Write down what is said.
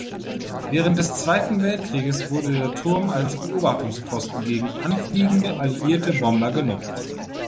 Während des Zweiten Weltkrieges wurde der Turm als Beobachtungsposten gegen anfliegende alliierte Bomber genutzt.